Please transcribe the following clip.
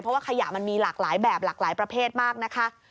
เพราะว่าขยะมันมีหลากหลายแบบหลากหลายประเภทมากนะคะ